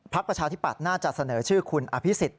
ประชาธิปัตย์น่าจะเสนอชื่อคุณอภิษฎ